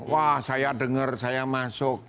wah saya dengar saya masuk